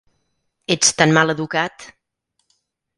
Ets tan mal educat!